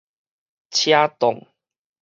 車擋